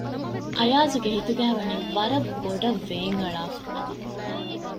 އަޔާޒުގެ ހިތުގައިވަނީ ވަރަށް ބޮޑަށް ވޭން އަޅާފަ